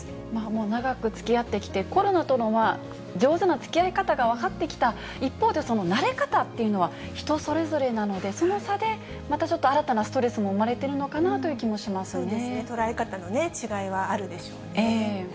もう長くつきあってきて、コロナとは上手なつきあい方が分かってきた一方で、その慣れ方っていうのは、人それぞれなので、その差でまたちょっと、新たなストレスも生まれてるのかなという捉え方の違いはあるでしょうね。